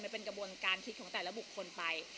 มันเป็นกระบวนการคิดของแต่ละบุคคลไป